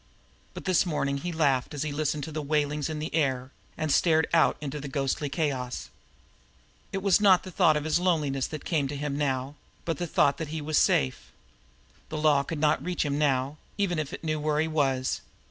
But this morning he laughed as he listened to the wailings in the air and stared out into the ghostly chaos. It was not the thought of his loneliness that come to him now, but the thought that he was safe. The Law could not reach him now, even if it knew where he was.